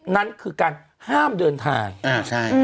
นั่นคือการห้ามเดินทาง